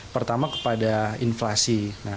pertama kepada inflasi